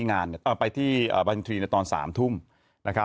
งานเนี่ยอ่าไปที่อ่าบรรยังทรีย์เนี่ยตอนสามทุ่มนะครับ